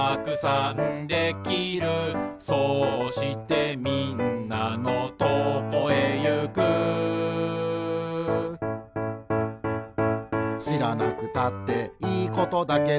「そうしてみんなのとこへゆく」「しらなくたっていいことだけど」